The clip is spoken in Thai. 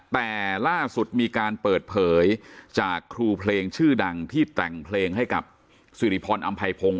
แต่ล่าสุดมีการเปิดเผยจากครูเพลงชื่อดังที่แต่งเพลงให้กับสิริพรอำไพพงศ